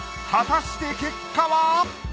果たして結果は！？